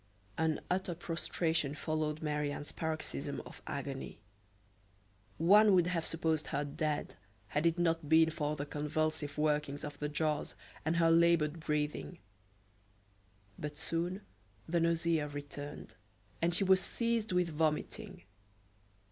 An utter prostration followed Marie Anne's paroxysm of agony. One would have supposed her dead had it not been for the convulsive workings of the jaws and her labored breathing. But soon the nausea returned, and she was seized with vomiting.